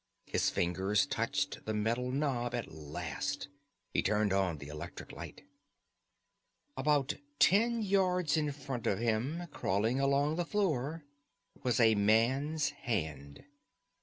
His fingers touched the metal knob at last. He turned on the electric light. About ten yards in front of him, crawling along the floor, was a man's hand.